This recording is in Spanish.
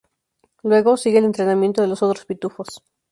Luego sigue el entrenamiento de los otros pitufos.